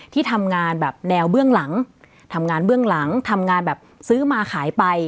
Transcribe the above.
ที่ทำงานแบบแนวเบื้องหลังทำงานเบื้องหลังทำงานแบบซื้อมาขายไป